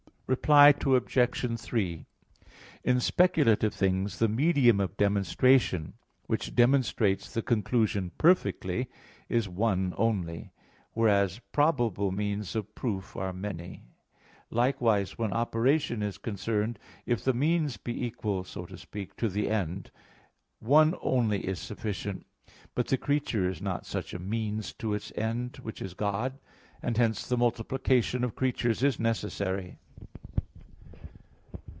Reply Obj. 3: In speculative things the medium of demonstration, which demonstrates the conclusion perfectly, is one only; whereas probable means of proof are many. Likewise when operation is concerned, if the means be equal, so to speak, to the end, one only is sufficient. But the creature is not such a means to its end, which is God; and hence the multiplication of creatures is necessary.